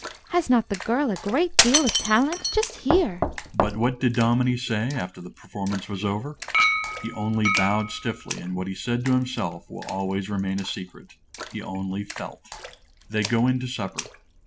Has not the girl a great deal of talent? Just hear! But what did Dominie say after the performance was over? He only bowed stiffly, and what he said to himself will always remain a secret. He only felt. They go in to supper.